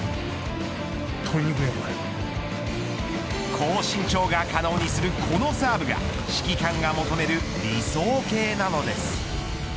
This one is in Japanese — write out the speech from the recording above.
高身長が可能にするこのサーブが指揮官が求める理想形なのです。